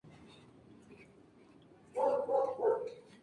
Fue en este momento cuando adopta el apodo de "Mare".